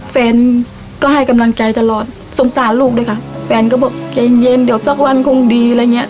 แฟนก็ให้กำลังใจตลอดสงสารลูกด้วยค่ะแฟนก็บอกใจเย็นเย็นเดี๋ยวสักวันคงดีอะไรอย่างเงี้ย